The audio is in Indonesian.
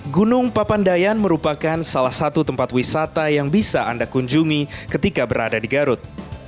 gunung papandayan merupakan salah satu tempat wisata yang bisa anda kunjungi ketika berada di garut